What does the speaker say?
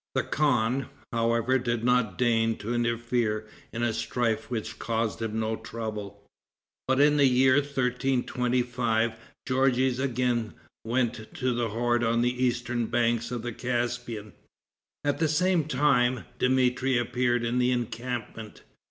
The khan, however, did not deign to interfere in a strife which caused him no trouble. But in the year 1325 Georges again went to the horde on the eastern banks of the Caspian. At the same time, Dmitri appeared in the encampment.